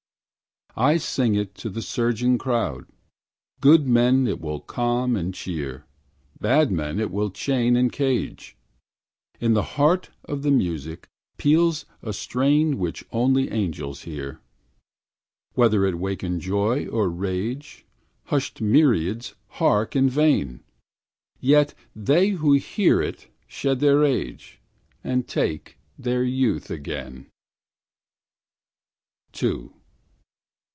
I sing it to the surging crowd, Good men it will calm and cheer, Bad men it will chain and cage In the heart of the music peals a strain Which only angels hear; Whether it waken joy or rage Hushed myriads hark in vain, Yet they who hear it shed their age, And take their youth again.